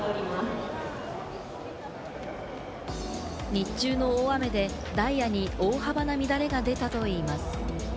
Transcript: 日中の大雨で、ダイヤに大幅な乱れが出たといいます。